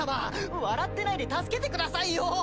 笑ってないで助けてくださいよ！